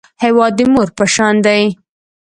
هېواد د مور په شان دی